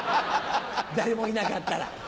誰もいなかったら。